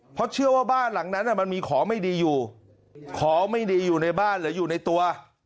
เพราะเชื่อว่าบ้านหลังนั้นมันมีของไม่ดีอยู่ของไม่ดีอยู่ในบ้านหรืออยู่ในตัว